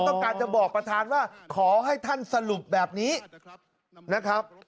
ต้องการจะบอกประธานว่าขอให้ท่านสรุปแบบนี้นะครับ